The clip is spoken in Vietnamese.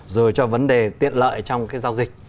rồi cho vấn đề tiện lợi trong cái giao dịch